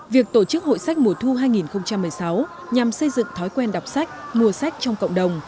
việc tổ chức hội sách mùa thu hai nghìn một mươi sáu nhằm xây dựng thói quen đọc sách mua sách trong cộng đồng